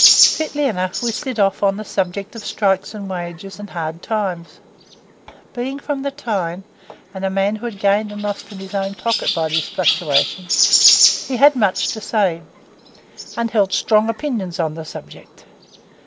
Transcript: Fitly enough, we slid off on the subject of strikes and wages and hard times. Being from the Tyne, and a man who had gained and lost in his own pocket by these fluctuations, he had much to say, and held strong opinions on the subject.